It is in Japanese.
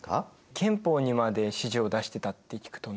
憲法にまで指示を出してたって聞くとね。